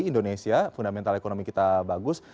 indonesia fundamental ekonomi kita bagus